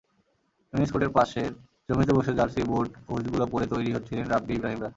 Tennis কোর্টের পাশের জমিতে বসে জার্সি, বুট, হুজগুলো পরে তৈরি হচ্ছিলেন রাব্বি-ইব্রাহিমরা।